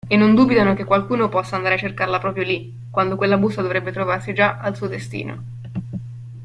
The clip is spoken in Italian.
E non dubitano che qualcuno possa andare a cercarla proprio lì, quando quella busta dovrebbe trovarsi già al suo destino.